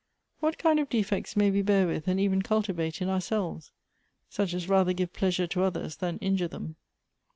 " What kind of defects may we bear with and even cultivate in ourselves? Such as rather give pleasure to others than injure them."